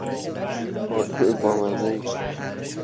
آدم بامزهای است!